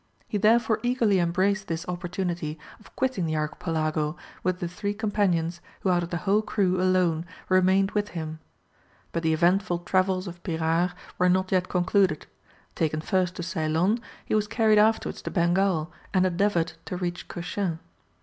He therefore eagerly embraced this opportunity of quitting the Archipelago with the three companions who out of the whole crew alone remained with him. But the eventful travels of Pyrard were not yet concluded. Taken first to Ceylon, he was carried afterwards to Bengal, and endeavoured to reach Cochin.